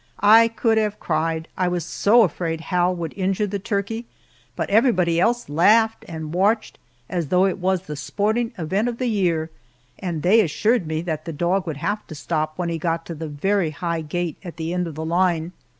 I could have cried, I was so afraid Hal would injure the turkey, but everyone else laughed and watched, as though it was the sporting event of the year, and they assured me that the dog would have to stop when he got to the very high gate at the end of the line.